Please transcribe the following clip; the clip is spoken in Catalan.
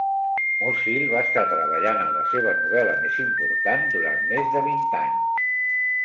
Musil va estar treballant en la seva novel·la més important durant més de vint anys.